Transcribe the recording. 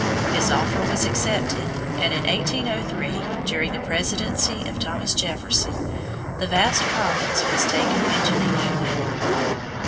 His offer was accepted, and in 1803, during the presidency of Thomas Jefferson, the vast province was taken into the Union.